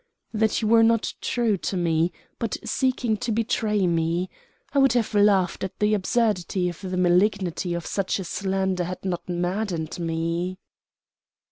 "That you were not true to me, but seeking to betray me. I would have laughed at the absurdity if the malignity of such a slander had not maddened me."